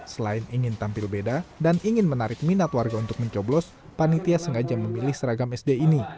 selain ingin tampil beda dan ingin menarik minat warga untuk mencoblos panitia sengaja memilih seragam sd ini